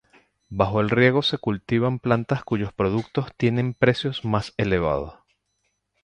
Bajo el riego se cultivan plantas cuyos productos tienen precios más elevados.